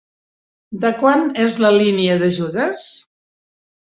De quant és la línia d'ajudes?